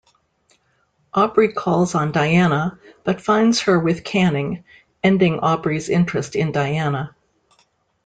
Aubrey calls on Diana, but finds her with Canning, ending Aubrey's interest in Diana.